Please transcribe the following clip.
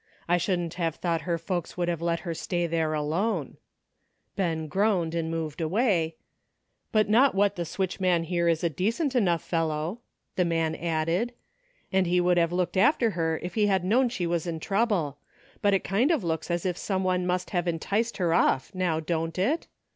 I shouldn't have thought her folks would have let her stay there alone ;"— Ben groaned and moved away —" not but what the switch man here is a decent enough fellow," the man added, " and he would have looked after her if he had known she was in trouble ; but it kind of looks as if some one must have enticed her off, now don't it?